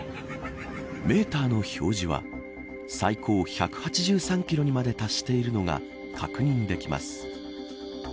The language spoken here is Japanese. メーターの表示は最高１８３キロにまで達しているのが確認できます。